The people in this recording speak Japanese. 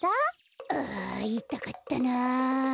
あいたかったな。